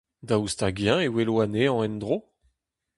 Daoust hag-eñ e welo anezhañ en-dro ?